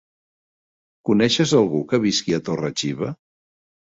Coneixes algú que visqui a Torre-xiva?